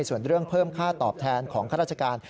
ส่วนเรื่องเพิ่มค่าตอบแทนของข้าราชการ